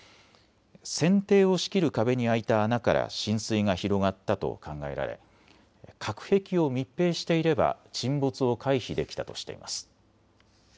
船底を仕切る壁に開いた穴から浸水が広がったと考えられ隔壁を密閉していれば沈没を回避できたとしています。